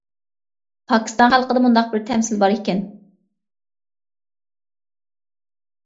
پاكىستان خەلقىدە مۇنداق بىر تەمسىل بار ئىكەن.